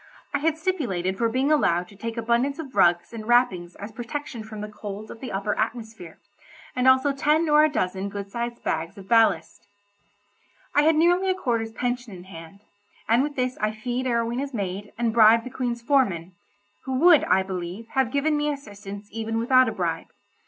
I had stipulated for being allowed to take abundance of rugs and wrappings as protection from the cold of the upper atmosphere, and also ten or a dozen good sized bags of ballast. I had nearly a quarter's pension in hand, and with this I fee'd Arowhena's maid, and bribed the Queen's foreman—who would, I believe, have given me assistance even without a bribe.